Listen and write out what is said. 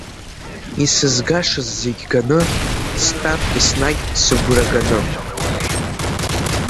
Исызгашаз зегь ганы, стәан еснагь сыгәра ганы.